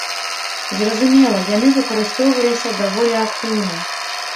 Зразумела, яны выкарыстоўваліся даволі актыўна.